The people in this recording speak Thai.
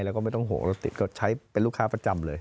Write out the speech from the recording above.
แล้วก็ไม่ต้องโหรถติดก็ใช้เป็นลูกค้าประจำเลย